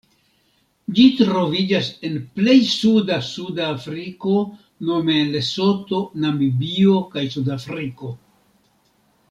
Ĝi troviĝas en plej suda Suda Afriko nome en Lesoto, Namibio kaj Sudafriko.